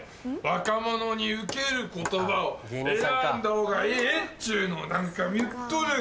若者にウケる言葉を選んだほうがええっちゅうのを何回も言っとるがな。